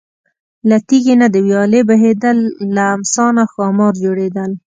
له تیږې نه د ویالې بهیدل، له امسا نه ښامار جوړېدل.